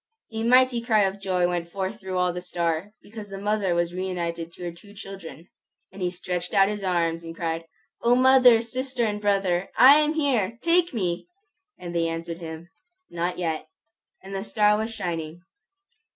A mighty cry of joy went forth through all the star, because the mother was reunited to her two children. And he stretched out his arms and cried, "O mother, sister, and brother, I am here! Take me!" And they answered him, "Not yet." And the star was shining.